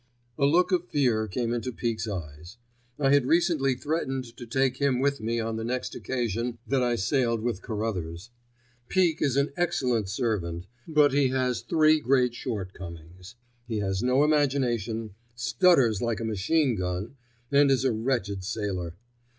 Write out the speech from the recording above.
A look of fear came into Peake's eyes. I had recently threatened to take him with me on the next occasion that I sailed with Carruthers. Peake is an excellent servant; but he has three great shortcomings: he has no imagination, stutters like a machine gun, and is a wretched sailor.